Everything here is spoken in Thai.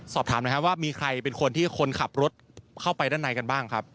สอบถามหน่อยครับว่ามีใครเป็นคนที่คนขับรถเข้าไปด้านในกันบ้างครับ